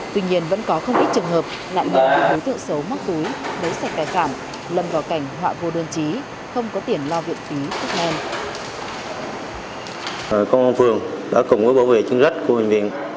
tuy nhiên vẫn có không ít trường hợp nạn nhiệm của đối tượng xấu mắc túi lấy sạch tài sản lâm vào cảnh họa vô đơn trí không có tiền lo viện phí tức nhen